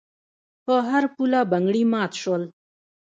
په هر پوله بنګړي مات شول.